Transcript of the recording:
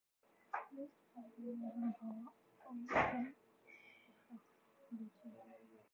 This oxidising power also makes them effective bleaches.